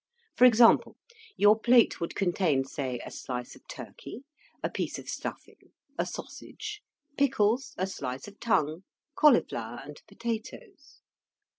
For example, your plate would contain, say, a slice of turkey, a piece of stuffing, a sausage, pickles, a slice of tongue, cauliflower, and potatoes.